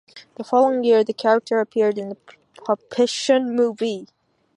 The following year, the character appeared in "The Puppetoon Movie".